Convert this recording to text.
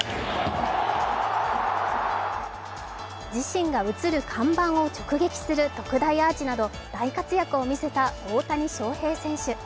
自身が映る看板を直撃する特大アーチなど大活躍を見せた大谷翔平選手。